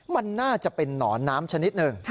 มันน่าจะเป็นนอนน้ำชนิดหนึ่ง